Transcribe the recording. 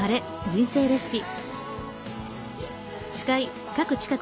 人生レシピ」。